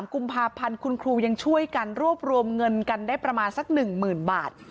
กุมภาพันธ์คุณครูยังช่วยกันรวบรวมเงินกันได้ประมาณสัก๑๐๐๐บาท